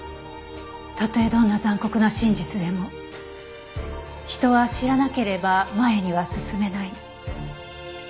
たとえどんな残酷な真実でも人は知らなければ前には進めない。